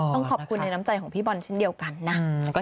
ต้องขอบคุณในน้ำใจของพี่บอลเช่นเดียวกันนะ